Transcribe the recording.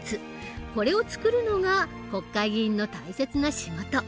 これを作るのが国会議員の大切な仕事。